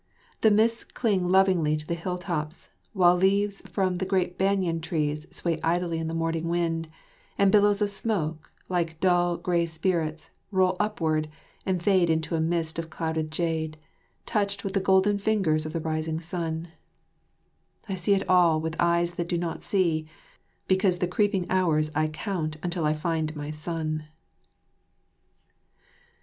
The mists cling lovingly to the hill tops, while leaves from giant banyan trees sway idly in the morning wind, and billows of smoke, like dull, grey spirits, roll up ward and fade into a mist of clouded jade, touched with the golden fingers of the rising sun. [Illustration: Mylady30.] I see it all with eyes that do not see, because the creeping hours I count until I find my son.